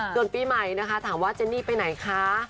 ส่วนปีใหม่นะคะถามว่าเจนนี่ไปไหนคะ